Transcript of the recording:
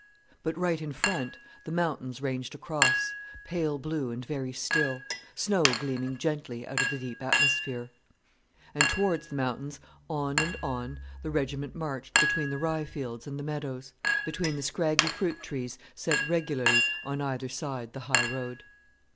But right in front the mountains ranged across, pale blue and very still, snow gleaming gently out of the deep atmosphere. And towards the mountains, on and on, the regiment marched between the rye fields and the meadows, between the scraggy fruit trees set regularly on either side the high road.